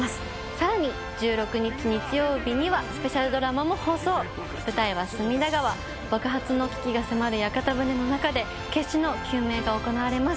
さらに１６日日曜日にはスペシャルドラマも放送舞台は隅田川爆発の危機が迫る屋形船の中で決死の救命が行われます